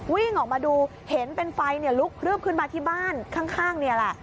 วิ่งออกมาดูเห็นเป็นไฟลุกพลึบขึ้นมาที่บ้านข้างนี่แหละ